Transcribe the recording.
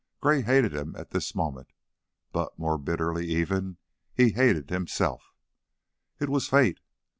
Gray hated him at this moment, but, more bitterly even, he hated himself. It was fate....